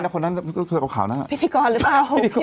นางหนุ่มมองข้างหลังอีกแล้วเนี่ย